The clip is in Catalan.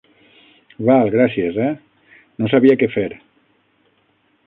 Val, gràcies, eh?, no sabia què fer.